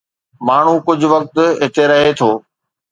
ماڻهو ڪجهه وقت هتي رهي ٿو.